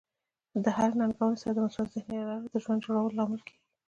د هرې ننګونې سره د مثبت ذهنیت لرل د ژوند د جوړولو لامل کیږي.